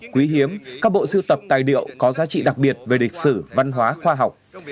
quý hiếm các bộ sưu tập tài liệu có giá trị đặc biệt về lịch sử văn hóa khoa học